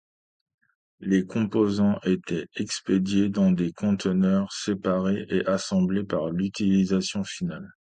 Les composants étaient expédiés dans des conteneurs séparés et assemblés par l'utilisateur final.